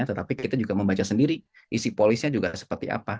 tetapi kita juga membaca sendiri isi polisnya juga seperti apa